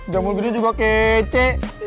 janggul gede juga kece